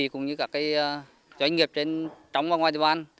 cũng như các doanh nghiệp trên trống và ngoài địa bàn